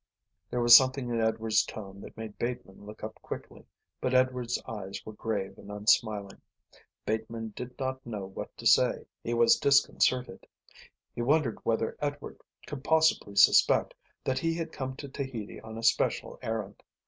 There was something in Edward's tone that made Bateman look up quickly, but Edward's eyes were grave and unsmiling. Bateman did not know what to say. He was disconcerted. He wondered whether Edward could possibly suspect that he had come to Tahiti on a special errand.